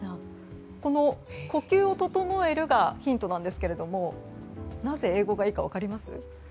この呼吸を整えるがヒントなんですがなぜ英語がいいか分かります？